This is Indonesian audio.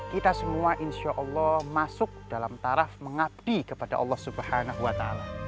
kita semua insya allah masuk dalam taraf mengabdi kepada allah swt